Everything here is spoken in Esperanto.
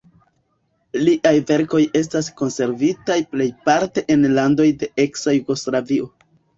Liaj verkoj estas konservitaj plejparte en landoj de eksa Jugoslavio.